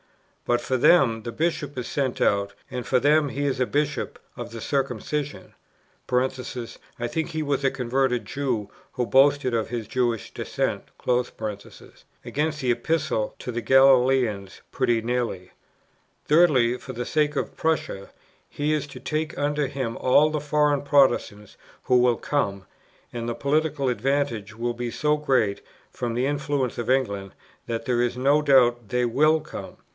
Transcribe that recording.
But for them the Bishop is sent out, and for them he is a Bishop of the circumcision" (I think he was a converted Jew, who boasted of his Jewish descent), "against the Epistle to the Galatians pretty nearly. Thirdly, for the sake of Prussia, he is to take under him all the foreign Protestants who will come; and the political advantages will be so great, from the influence of England, that there is no doubt they will come.